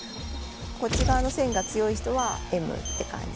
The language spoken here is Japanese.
こっち側の線が強い人はＭって感じですね。